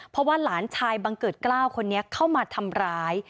เพราะว่าหลานชายบังเกิดกล้าวคนนี้เข้ามาทำร้าย